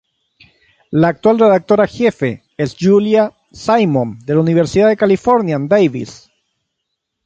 La actual redactora jefe es Julia Simon de la Universidad de California en Davis.